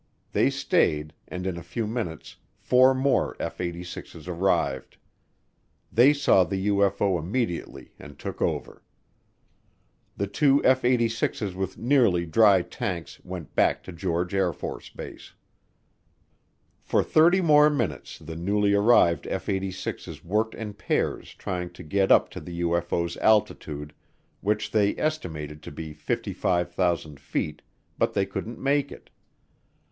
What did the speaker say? They stayed and in a few minutes four more F 86's arrived. They saw the UFO immediately and took over. The two F 86's with nearly dry tanks went back to George AFB. For thirty more minutes the newly arrived F 86's worked in pairs trying to get up to the UFO's altitude, which they estimated to be 55,000 feet, but they couldn't make it.